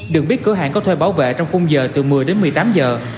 được biết cửa hàng có thuê bảo vệ trong khung giờ từ một mươi đến một mươi tám giờ